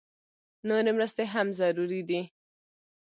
نورې مرستې هم ضروري دي